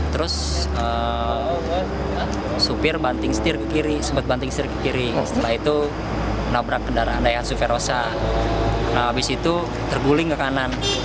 terus sempat banting setir ke kiri setelah itu nabrak kendaraan daya suferosa habis itu terguling ke kanan